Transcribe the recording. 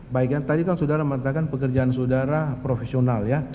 baik yang tadi kan saudara mengatakan pekerjaan saudara profesional ya